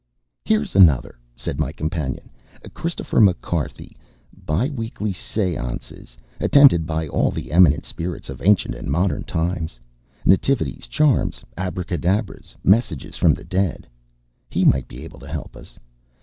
"Here is another," said my companion, "Christopher McCarthy; bi weekly seances attended by all the eminent spirits of ancient and modern times. Nativities charms abracadabras, messages from the dead. He might be able to help us.